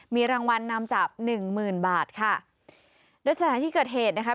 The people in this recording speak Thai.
มีรางวัลนำจับหนึ่งหมื่นบาทค่ะโดยสถานที่เกิดเหตุนะคะ